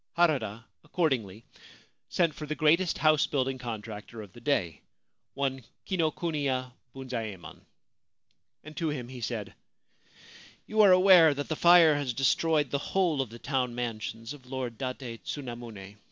Harada, accordingly, sent for the greatest house building contractor of the day, one Kinokuniya Bunzaemon, and to him he said :' You are aware that the fire has destroyed the whole of the town mansions of Lord Date Tsunamune.